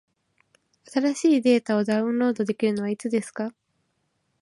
新しいデータをダウンロードできるのはいつですか？